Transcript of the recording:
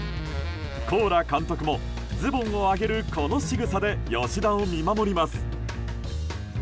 コーラ監督も、ズボンを上げるこのしぐさで吉田を見守ります。